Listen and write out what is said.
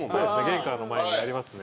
玄関の前にありますね。